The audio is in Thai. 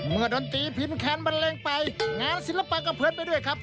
ดนตรีพิมพ์แคนบันเลงไปงานศิลปะก็เพิร์ตไปด้วยครับ